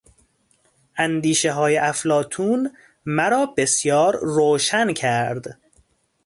اندیشههای افلاطون مرا بسیار روشن کرد.